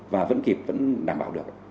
và vẫn kịp vẫn đảm bảo được